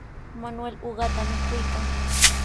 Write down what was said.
Manuel uqata mikuykan.